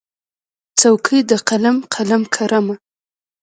څوکې د قلم، قلم کرمه